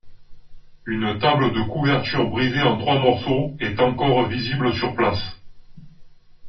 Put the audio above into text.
Une table de couverture brisée en trois morceaux est encore visible sur place.